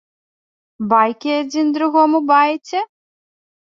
Байкі адзін другому баеце?!